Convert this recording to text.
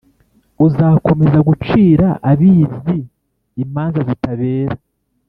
Uzakomeza gucira abizi imanza zitabera